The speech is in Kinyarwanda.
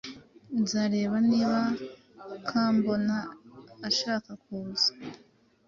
Nzareba niba Kambona ashaka kuza.